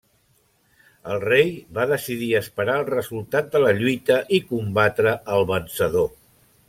El rei va decidir esperar el resultat de la lluita i combatre al vencedor.